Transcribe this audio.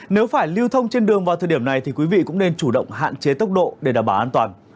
nếu phải lưu thông trên đường vào thời điểm này thì quý vị cũng nên chủ động hạn chế tốc độ để đảm bảo an toàn